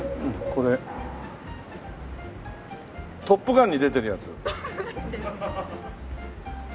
これ『トップガン』に出てる奴。